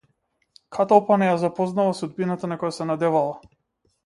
Каталпа не ја запознала судбината на која се надевала.